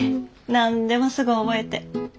何でもすぐ覚えて。